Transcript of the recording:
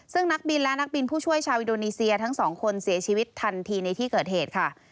ซึ่งนักบินและนักบินผู้ช่วยชาวอินโดนีเซียทั้งสองคนเสียชีวิตทันทีในที่เกิดเหตุค่ะ